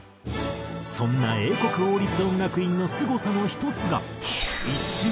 そんな英国王立音楽院のすごさの１つが。